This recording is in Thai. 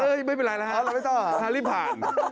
เออไม่เป็นไรล่ะครับไม่ต้องคราวรีบผ่าน